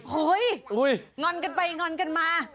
เฮ้ยงอนกันไปงอนกันมา